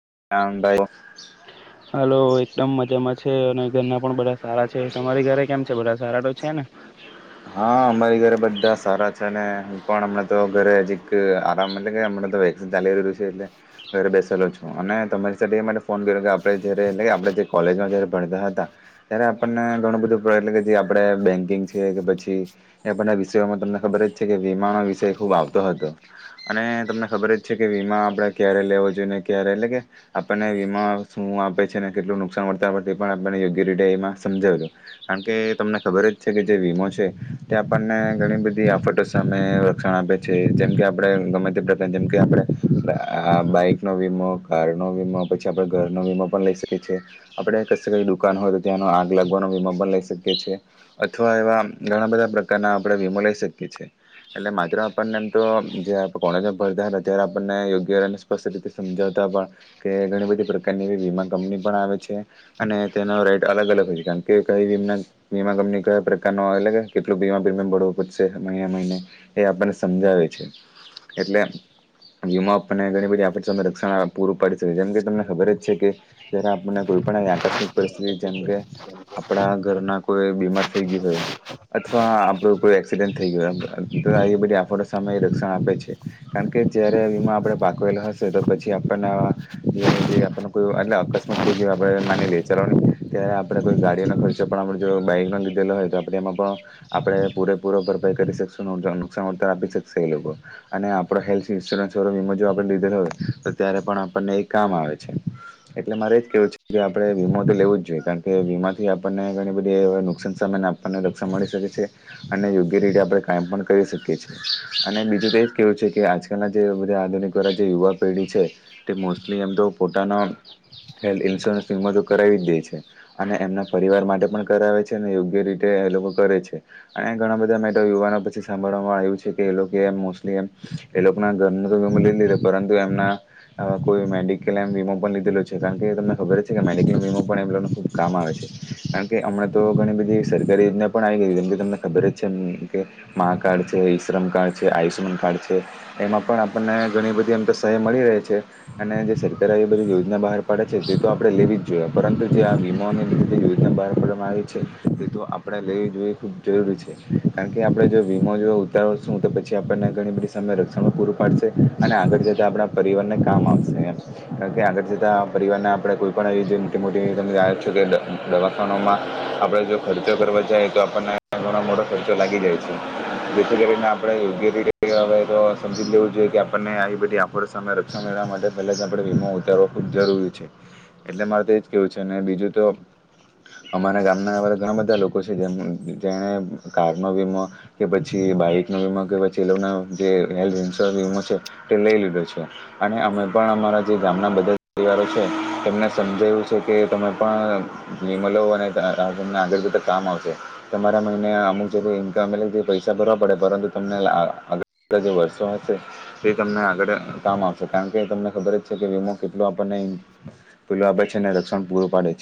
[unintelligible] Hello, એકદમ મજામાં છે. અને ઘરના પણ બધા સારા છે. તમારી ઘરે કેમ છે બધા સારા તો છે ને? હા, અમારી ઘરે બધા સારા છે ને. હમ, પણ અમ ન તો ઘરે જીરીક આરામ મલી ગયા. હમણાં તો વેકેશન ચાલે રિરુ છે એટલે. ઘરે બેસેલો છું. અને તમારી સાથે એ માટે ફોન કર્યો કે આપડે જયારે નઈ આપડે જયાર કોલેજમાં જારે ભણતા હતા. ત્યારે આપડને ઘણું બધું એટલે કે જે આપડે બેન્કિંગ છે કે પછી એ બધા વિષયોમાં તમને ખબર જ છે કે વિમાનો વિષય ખુબ આવતો હતો. અને તમને ખબર જ છે કે વીમા આપણેે ક્યારે લેવો જોઈએ ને ક્યારે એટલે કે આપણને વીમા શું ું આપે છેને કેટલું નુકસાન મળર્તા હો તે પણ આપણે યોગ્ય રીતે સમજાવે છે કારણ કે તમને ખબર જ છે કે જે વીમો છે તે આપણને ઘણી બધી ફોટો સામે રક્ષણ આપે છે જેમ કે આપડ ગમે તે પ્રકાર જેમકે આપણે આ બાઈક નો વીમો કાર નો વીમો પછી આપડે ઘર નો વીમો પણ લઈ શકીએ છીએ આપડે ક કઈ દુકાન હોય ત્યાંનો આગ લાગવાનો વીમો પણ લઈ શકીએ છીએ અથવા એવા ઘણા બધા પ્રકારના આપણે વીમો લઈ શકીએ છે એટલે માત્ર આપણને એમ તો જે કોલેજમાં ભરતા હતા ત્યારે આપણને યોગ્ય અને સ્પષ્ટ રીતે સમાવતા કે ઘણી બધી પ્રકારની વીમા કંપની પણ આવે છે અને તેનો અલગ અલગ હોય છે કારમ કે કઈ વ વીમા કંપની કયા પ્રકારનું આવેગ કેટલું વીમા પ્રીમિયમ ભરવું પડશે મહિને મહિને એ આપણને સમજાવે છે એટલે વિમો આપણને ઘણી બધી આપ રક્ષણ પૂરું પાડી શકે જેમ કે તમને ખબર જ છે કે જયારે આપણને કો ઇપણ આકસ્મિક પરિસ્થિતિ જેમ કે આપણા ઘરના કોઈ બીમાર થઈ ગય હોય અથવા આપડું કોઈ એક્સિડેન્ટ થઈ ગયો તો એ બધી આફત સામે એ રક્ષણ આપે છે કારણ કે કે જયારે વીમા આપે પાકવેલા હશે તો પછી આપને આપ કોઈ એટલે અકસ્માત થઈ આપડ માની લીએ ચલોને ત્યારે આપડે કોઈ ગાડીઓનો ખર્ચો પણ આપ જો બાઈક ન લીધેલો હોય તો આપે એમાં પણ આપડે પૂરેપૂરો કરીકશ નુકસાન પણ આપી શકશે એ લોકો અને આપડો હેલ્થ ઇન્સ્યોરન્સો વીમો જો આપડે લીધેલો ત્યારે પણ આપણને એ કામ આવે છે એટલે મારે એજ કેવું છે કે આપડે વીમો તો લેવું જ કારણ કે વીમાથી આપણનેઘણી બધી નુકસાન સામે આપણને રક્ષણ મળી શકે છે અને યોગ્યતે એ આપણે કાયમ પણ કરી શકીએ અને બીજું તો કેવું છે કે આજકાલના જે આધુનિક વાયુવા પેઢી છે તે મોસ્ટલી એમ તો પોતાના હેલ્થ ઇન્સ્યોરન્સ વીમ તો કરાવી જ દે છે અને એમના પરિવાર માટે પણ કરાવે છે અને યોગ્ય રીતે એ લોકો કરે છે અને ઘણા બધા મેટ યુવાનો પછી સાંભળવામાં આવ્યું છે કે એ લોકોએ એમ મોસ્ટલી એ એ લોકોના ઘરનો તો વિમો લઈ લીધે પરંતુ એમ કોઈ મેડિકલેમ વીમો પણ લીધેલો છે કારણ કે તમને ખબર કે મેડિકલે વીમો પણ ખૂબ કામ આવે છે કારણ કે હમણાં તો ઘણી બધી સરકારી યોજના પણ આવી ગઈ જેમ કે તમને ખબર જ છે મા કાર્ડ છે ઇ શ્રમ કાર્ડ છે આયુષમાન કાર્ડ છે એમાં પણઆપણને ઘણી બધી સહાય મળી રહે છે અને જે સરકારે આવી બધી યોજના બહાર પાડે છે તે તો આપડે લેવી જ જોઈએ પરંતુ જે પીમાને લીધતે યોજના બહાર પાડવામાં આવી છે એ તો આપણે લઈ જોવી ખૂબ જરૂરી છે કારણ કે આપણે જો વીમો જો ઉતારશું તો પછી આપણને ઘણી બધી સમય રક્ષણો પૂરું પાડશે અને આગળ જતાં આપણા પરિવારને કામ આવશે એમ કારણ કે આગળ જતાં પરિવારને આપણે કોઈ પણ આવી જે મોટી મોટી તમે તોકે દવાખાનોમાં આપણે જો ખર્ચો કરવાો જએ તો આપણને ઘણ મોટો ખર્ચો લાગી જાય છે જેથી કરીને આપડે યોગ્ય રીતે હવે તો સમજી લેવું જોઈએ કે આપણને આ બધી આપડ રક્ષણ મેળવવા માટે પહેલા જ આપણે વીમાો ઉતારવા ખુબ જરૂરી છે એટલે મારે તોજ કેવું છે અને બીજું તો અમારા ગામના અ ઘણા બધા લોકો છે જેમ જેને કારનોો વીમો કે પછી બાઈક નો વીમો કે પ ચીલો જે હેલ્થ ઇન્સ્યોર વીમો છે તે લઈ લીધો છે અને અમે પણ અમારા જે ગામના બધા પરિવારો છે તેમને સમજાયું છે કે તમે પણ વિમો લો અને તમને આગળ જતા કામ આવશે તમારા મહિને અમુક જગ ઇમ્પે જે પૈસા ભરવા પડે પરંતુ તમને જે વર્ષો હશે તે તમને આગળ કામ આવશે કારણ કે તમને ખબર જ છે કે વીમો કેટલો આપણને પેલુ એ આપે છે અનેને રક્ષણ પૂરું પાડે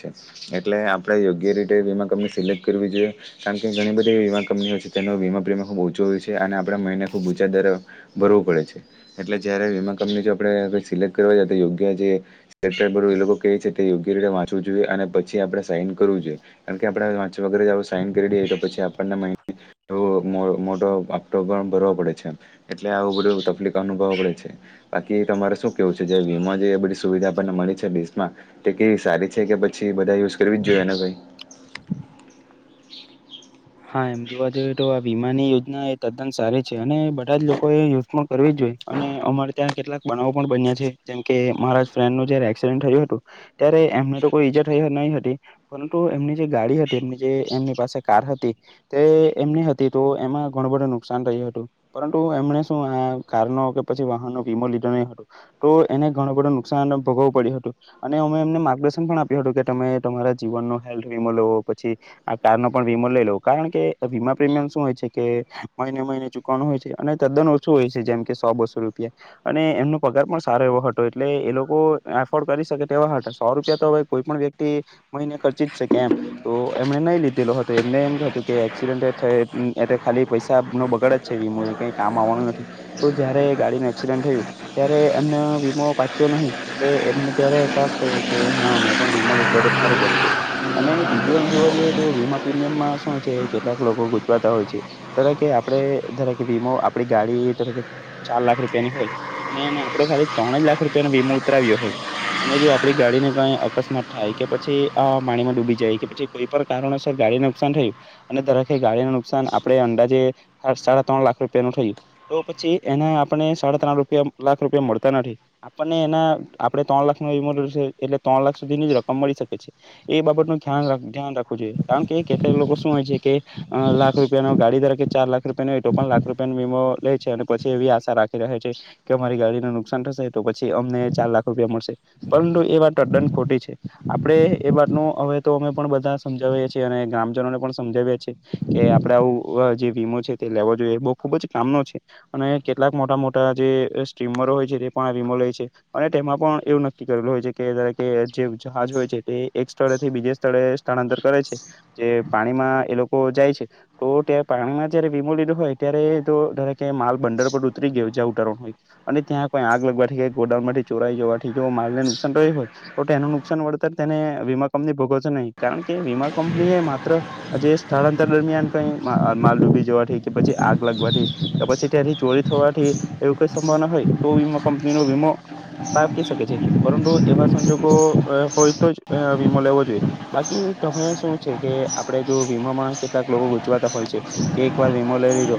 એટલે આપણેે યોગ્ય રીતે વીમા કંપની સિલેક્ટ કરવી જોઈએ કારમ કે ઘણી બધી વીમા કંપનીઓ છે તેનો વીમા પ્રીમયમ ખૂબ ઓછો હોય છે અને આપણા મહિને ખૂબ ઊંચા દર ભરો પડે એટલે જયારે વીમા કંપની જો આપડે સિલેક્ટ કરવા તો યોગ્ય એ લોકો ક ચટે યોગ્ય માટે મા જોઈએ અને પછી આપણેે સાઈન કરવું જોઈએ કારણ કે આપણેે વાંચ્યા વગર સાઈન કરી લઈએ તો પછી આપણને એ મોટો હપ્તો પણ ભરવો પડે છે એટલે આવું બધું તકલીફ અનુભવો પડે છે બાકી તમારે શું કેવું છે જે વીમા જે બધી સુવિધા આપણને મળી છે દેશ માં તે કેવી સારી છે કે પછી બધા યુઝ કરવી જ જોઈએ એને ભાઈ હા એમ જોવા જઈએ તો આ વીમાની યોજના એ તદ્દન સારી અને બધા જ લોકો એ યુથમાં કરવી જ જોઈએ અને અમારે ત્યાં કેટલાક બનાવો પણ બન્યા છે જેમ કે મારા ફ્રેન્ડ નું જયારે એક્સિડન્ટ થયું હતું ત્યારે એમને તો કોઈ ઈજા થઈ હતી પરુ એમની જે ગાડી હતી એમની જે એમની પાસે કાર હતી તે એમની હતી તો એમાં ઘણું બધું નુકસાન થય હતું પરંતુ એમને શું આ કાર પછી વાહનો વીમો લીધો નહી તો એને ઘણું બધું નુકસાન ભોગવું પડ્યું હતું અને અમે એમને માર્ગદર્શન પણ આપ્યું હતું કે તમે તમારા જીવન ન હેલ્થ વીમો લવો પછી આ કાર નો પણ વીમો લઈ લો કારણ કે વીમા પ્રીમિયમ શું હોય છે કે મહિને મહિને ચુકવાનું હોય છે અને તદ્દન ઓછું હોય છે જેમ કે સો બસો રૂપિયા અને એમનો પગાર પણ સારો એવો હતો એટલે એ લોકો એફોર્ડ કરી શકે તેવા હતા સો રૂપિયા તો હ કોઈ પણ વ્યક્તિ મહિને ખર્ચી જ છે કેમ તો એમને નહી લીધેલો હતો એમને એમ કે એક્સિડેન્ટ થ એ ખાલી પૈસા નો બગડ જ છે કઈ કામ આવવાનું નથી તો જયારે ગાડી ન એક્સિડન્ટ થયું ત્યારે એમને વીમો પાક્યો નહી એટલે એમને ત્યારે અહેસાસ થયો કે હા મે પણ વીમારું પડ અને બીજું એમ જોવા જઈએ તો વીમા પ્રમિયમ હોય છે કેટલાક લોકો ગુજવાતા હોય છે ત કે આપડ ધરેકે વીમો આપડી ગાડી ચાર લાખ રૂપિયાની હોય અને આપડો ખાલી ત્રણ જ લાખ રૂપિયાનો વીમો ઉતરવ્યો હોય અને જો આપડી ગાડી ગાડીને કંઈ અકસ્માત થાય કે પછી આ પાણીમાં ડૂબી જાય કે પછી કોઈ પણ કારણોસર ગાડીને નુકસાન થયું અને દરે ગાડી ન નુકસાન આપડે અંદાજે સાડા ત્રણ લાખ રૂપિયા નું થયું તો પછી એ આપને સાડા ત્રણ રૂપિયા લાખ રૂપિયા મળતા નથી આપણને એના આપણે ત્રણ લાખ નો એ છે એટલે ત્રણ લાખ સુધી ની જ રકમ મળી શકે છે એ બાબત ન ધ્યાન રાખવું જોઈએ કારણ કે કેટલાક લોકો હોય છે કે લાખ રૂપિયાો ગાડી ધ કે ચાર લાખ રૂપિયાની હોય તો પણ લાખ રૂપિયા વીમો લે છે અને પછી એ આશા રાખી છે કે અમારી ગાડીને નુકસાન થશે તો પછી અમને ચાર લાખ રૂપિયા મળશે પરંતુ એ દ્દન ખોટી છે આપે એ વાત ન હવે તો અમે પણ બધા સમજાવીએ છીએ અને ગ્રામજનોને પણ સમાવ કે આપડે આવું જે વીમો છે તે લેવો જોઈએ બહ ખુબ જ કામનો છે અને કેટલાક મોટા મોટા જે સ્ટ્રીમરો હોય છે તે પણ આ વીમો લે છે અને તેમાં પણ એવું નક્કી કરેલું હોય છે કે જે જહાજ હોય છે તે એક સ્થળેથી બીજે સ્થળે સ્થળાંતર કરે છે જે પાણી પાણીમાં એ લોકો જાય છે તો ત પાણીમાં જયારે વીમો લીધો હોય ત્યારે તોરે માલ ભંડર ઉતરી ગેજા ઉતારવા હોય અને ત્યાં કોઈ આગ લગવા ગોડાઉનમાં ચોરાઈ જવાથી માલને નુકસાન તો તેનું નુકસાન વળતર તેને વીમા કંપની ભોગવ છો નહીં કારણ કે વીમા કંપની એ માત્ર પ જે સ્થળાંતર દરમિયાન કઈ માલ ડૂબી જવાથી કે પછી આગ લાગવાથી કે પછી ત થી સંભાવના હોય તો વી કંપની ન વીમો આપી શકે છે પરુ એવા સંજોગો હોય તો જ વીમો લેવો જોઈએ બાકી તમે શું છે કે આપડે જો વીમોમાં કેટલાક લોકો ગૂજવાતા હોય છે કે એક વાર વીમો લઈ લીધો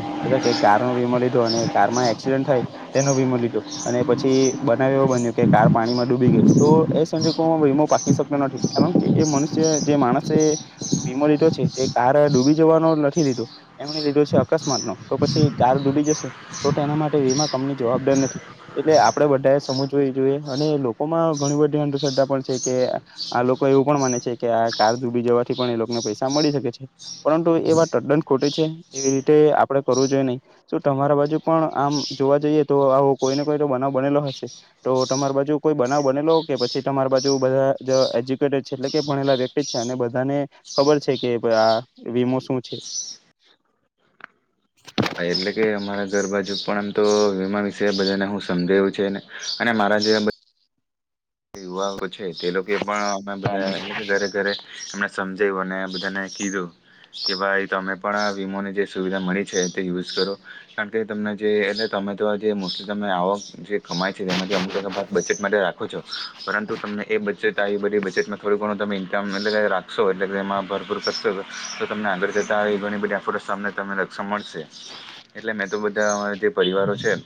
ગાર નો વીમો લીધો અને કારમાં એક્સિડન્ટ થાય તેનો વીમો લીધો અને પછી બનાવ એવો બન્યો કે કાર પાણીમાં ડૂબી ગય તો એ સંજોગોમાં વીમો પાકી શક્યો નથી કારણ કે એ મનુષ્ય જે માણસે વીમો લીધો છે એ કાર ડૂબી જવાનો નથી લીધો એમણે લીધો છે અકસ્માત નો તો પછી કાર ડૂ તો તેના માટે વીમા કંપની જવાબદાર નથી એટલે આપે બધાએ સમજવી જોઈએ અને લોકોમાં ઘણી બધી અંધશ્રદ્ધા પણ છે કે આ લોકો એવું પણ માને છે કે આ કાર ડૂબી જવાથી પણ એ લોકો પ મળીકે છે પરંતુ એ વા તદ્દન ખોટી છે એવી રીતે આપડે કરવું જોઈએ નહી તમારા બાજુ પણ આમ જોવા જઈએ તો આવો કોઈને કોઈ તો બનાવ બનેલો હશે તો તમારા બાજુ કોઈ બનેલો કે પછી તમારી બાજુ બધા એજ્યુકેટે છે એટલે કે ભણેલા વ્યક્તિ છે અને બધાને ખબર છે કે આ વીમો શું છે હા એટલે કે અમારા ઘર બાજુ પણ આમ તો વીમા વિશે બધાને હું સમજું છેને અને મા હ યુવાઓ છે તે લોકો પણ અમે બધા ઘરે ઘરે એમને સમજાવ્યું અને બધાને કીધું કે ભાઈ તમે પણ આ વીમોની જે સુવિધા મળી છે તે યુઝ કરો કારણ કે તમને જેને તમે તો જે મોસ્ટલી તમે આવો જે કમાય છે તેમાંથી અમુક એક ભાગ બજેટ માટે રાખો છો પરંતુ તમને એ બજેટ આવી બધી બજેટમાં થોડું ઘણું તમે ઇન્કમ એટલે રાખશો એટલે કે એમાં ભરપૂર કરશો તો તમને આગળ છેતાં આવી ઘણી બધી ો સા તમને લક્ષણ મળશે એટલે મેં તો બધા અ જે પરિવારો છે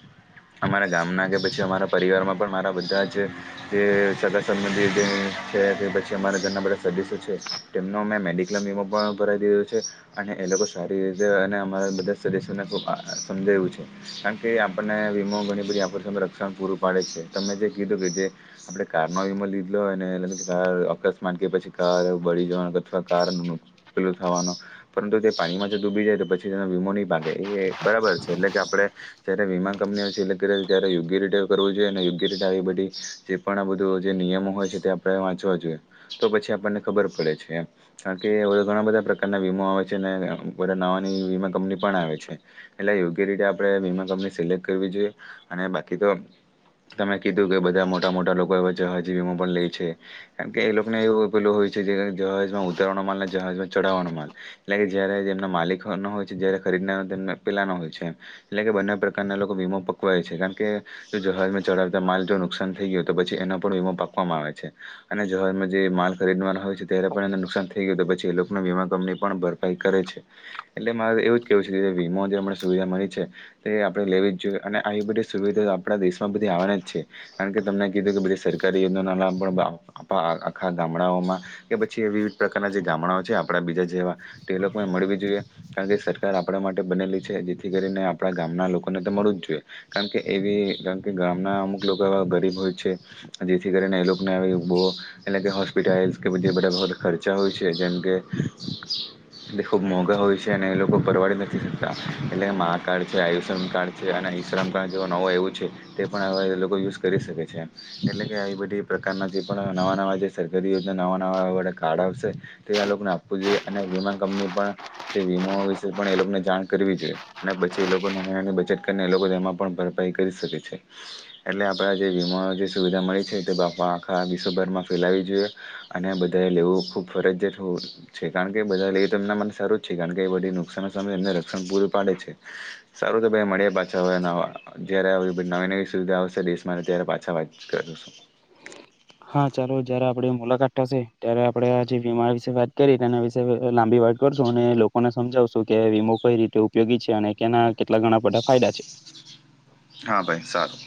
અમારા ગામ ના કે પછી અમારા પરિવાર માં પણ મારા બધા જ જે સગા સંબંધી છે અમારા ઘરના બધા સદસ્યો છે તેમના મે મેડી ક્લેમ એવું પણ ભરાઈ દીધું છે અને એ લોકો સારી રીતે અને અમારા બધા સદસ્યોને ખુબ [unintelligible] રેવું છે કારણ કે આપણને વીમો ઘણી બધી આપણ સામે રક્ષણ પૂરું પાડે છે તમે જે કીધું કે જે આપણે કાર નો વિમ લીધલો હોય ને એ કાર અકસ્માત કે પછી કાર બળી જવાનું અથવા કાર પેલુ થવાનું પરંતુ તે પાણીમાં જો ડૂબી જાય તો પછી તેનો વીમો નહી પાકે એ બરાબર છે. એટલે કે આપણે જયારે વીમા કંપનીઓ સિલેક્ટ કરી ત્યારે યોગ્ય રીતે કરવું જોઈએ અને યોગ્ય રીતે આવી બધી જે પણ આ બધું જે નિયમો હોય છે તે આપણે વાંચવા જોઈએ તો પછી આપણને ખબર પડે છે એમ કારણ કે ઘણા બધા પ્રકારના વીમો આવે છે અને બધા નાવાની વીમા કંપની પણ આવે છે એટલે યોગ્ય તે રીતે આપણે વીમા કંપની સિલેક્ટ કરવી જોઈએ અને બાકી તો તમે કીધું કે બધા મોટા મોટા લોકો એ જહાજી વીમા પણ લે છે કેમ કે એ લોકો ને એવું પેલું હોય છે જહાજમાં ઉતરવાનો માલ ના જહાજમાં ચઢાવવાનો માલ એટલે કે જયારે તેમના માલિક ન હોય છે ત્યારે ખરીદના તેમને પેલા નો હોય છે. એટલે કે બંને પ્રકારના લોકો વીમો પકવાય છે કારણ કે જહાજમાં ચડાવતા માલ જો નુકસાન થઈ ગયો તો પછી એનો પણ વીમો પાકવામાં આવે છે અને જહાજ માં જે માલ ખરીદવાનો હોય છે ત્યારે પણ એને નુકસાન થઈ ગીયુ પછી એ લોકો વીમા કંપની પણ ભરપાઈ કરે છે એટલે મારે એવું કેવું છે કે વીમો સુ વિધા મળી છે તે આપણે લેવી જ જોઈએ અને આ બધી સુવિધા આપણા દેશમાં બધી આવવાની જ છે. કારણ કે તમને કીધું કે બધી સરકારી યોજના નામ પણ આખા ગામડાઓમાં કે પછી એવી પ્રકારના જે ગામડાઓ છે આપણા બીજા જેવા તે લોકોને મળવી જોઈએ કારણ કે સરકાર આપણા માટે બનેલી છે. જેથી કરીને આપણા ગામના લોકોને તો મળવું જ જોઈએ કારણ કે એવી કારણ કે ગામના અમુક લોકો ખૂબ ગરીબ હોય છે જેથી કરીને એ લોકોને આવી બો એટલે કે હોસ્પિટલ્સ કે બધા ખર્ચા હોય છે જેમ કે એ ખુબ મોંઘા હોય છે અને એ લોકો પરવાડી નથી શકતા એટલે મા આ કાર્ડ છે આયુષ્યમાન કાર્ડ છે અને ઈશ્રમ કાર્ડ જેવો નવો આયવુ છે તે પણ હવે લોકો યુઝ કરી શકે છે એટલે કે આવી બધી પ્રકારના જે પણ નવા નવા જે સરકારી યોજના નવા નવા એવા બધા કાર્ડ આવશે તે આ લોકોને આપવું જોઈએ અને વીમા કંપની પણ જે વીમો વિશે પણ એ લોકોને જાણ કરવી જોએ ને પછી એ લોકોની બચત કરી લોકો તેમાં પણ ભરપાઈ કરી શકે છે એટલે આપણા જે વીમાો જે સુવિધા મળી છે તે બાપ આખા વિશ્વભરમાં ફેલાવી જોઈએ અને બધાએ લેવું ખૂબ ખૂબ ફરજિયાત હોય છે કારણ કે બધા લે તો એમના મને સારું જ છે કારણ કે બધી નુકસાનનો સામે એમને રક્ષણ પૂ રું પાડે છે સારું તો ભાઈ મળ્યા પાછા હવે જયારે નવી નવી સુવિધા આવશે [unintelligible] મારે ત્યારે પાછા વાત કરું શું. હા ચાલો જયારે આપડે મુલાકાત થશે ત્યારે આપડે આજે વીમા વિશે વાત કરી તેના વિશે લાંબી વાત કરશું અને લોકોને સમજાવશું કે વીમો કઈ રીતે ઉપયોગી છે અને કેના કેટલા ઘણા બધા ફાયદા છે. હા ભાઈ સારું.